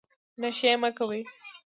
نشې مه کوئ